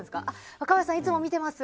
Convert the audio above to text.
若林さんいつも見てます。